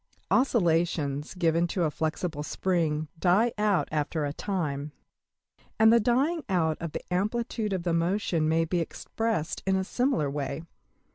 Oscillations given to a flexible spring die out after a time; and the dying out of the amplitude of the motion may be expressed in a similar way.